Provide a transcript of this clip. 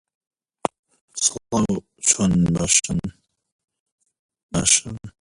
تەماتە دەخۆم.